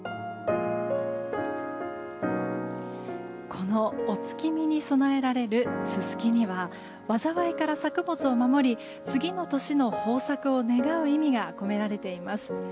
このお月見に供えられるススキには災いから作物を守り次の年の豊作を願う意味が込められています。